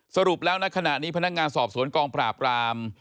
สรุปแล้วในขณะนี้พนักงานสอบสวนกองปราบราม